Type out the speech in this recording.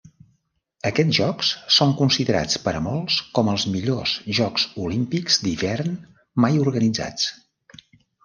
Aquests jocs són considerats per a molts com els millors jocs olímpics d'hivern mai organitzats.